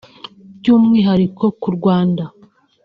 By’umwihariko ku Rwanda